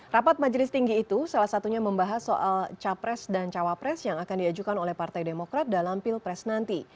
rapat majelis tinggi itu salah satunya membahas soal capres dan cawapres yang akan diajukan oleh partai demokrat dalam pilpres nanti